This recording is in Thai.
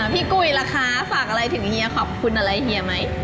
กุยล่ะคะฝากอะไรถึงเฮียขอบคุณอะไรเฮียไหม